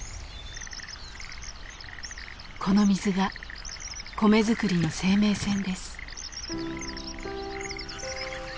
この水が米作りの生命線です。